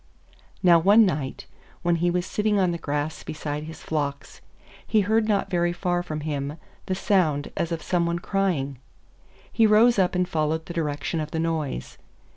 Now one night, when he was sitting on the grass beside his flocks, he heard not very far from him the sound as of some one crying. He rose up and followed the direction of the noise.